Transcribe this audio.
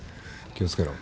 気をつけろ。